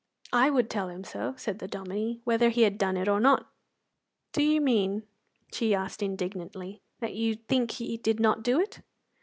"I would tell him so," said the Dominie, "whether he had done it or not." "Do you mean," she asked indignantly, "that you think he did not do it?"